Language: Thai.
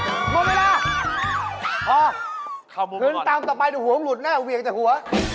ข้ามมุมก่อนขึ้นตามต่อไปถ้าหูมันหลุดน่าจะเหวี่ยงแต่หัว